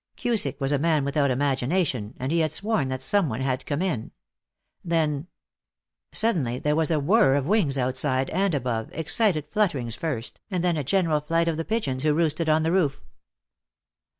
Cusick was a man without imagination, and he had sworn that some one had come in. Then Suddenly there was a whirr of wings outside and above, excited flutterings first, and then a general flight of the pigeons who roosted on the roof.